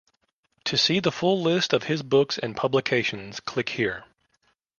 To see the full list of his books and publications click here.